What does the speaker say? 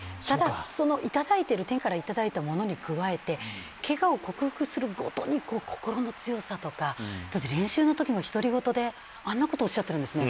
ただ、天からいただいているものに加えてけがを克服する心の強さとか練習の時も独り言であんなことをおっしゃってるんですね。